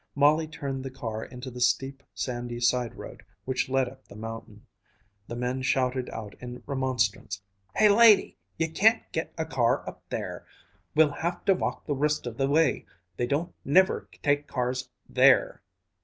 Molly turned the car into the steep sandy side road which led up the mountain. The men shouted out in remonstrance, "Hey, lady! You can't git a car up there. We'll have to walk the rest of the way. They don't never take cars there."